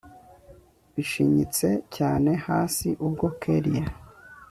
bishinyitse cyane hasi ubwo kellia